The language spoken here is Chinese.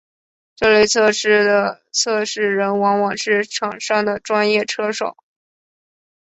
这类测试的测试人往往是厂商的专业车手。